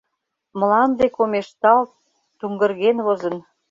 Мланде комешталт, туҥгырген возын.